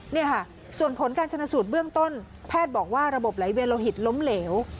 นี่ค่ะส่วนผลการชนะสูตรเบื้องต้นแพทย์บอกว่าระบบไหลเวียนโลหิตล้มเหลว